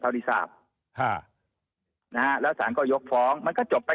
เท่าที่ทราบแล้วศาลก็ยกฟ้องมันก็จบไป